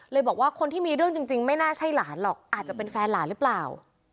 บอกว่าคนที่มีเรื่องจริงไม่น่าใช่หลานหรอกอาจจะเป็นแฟนหลานหรือเปล่า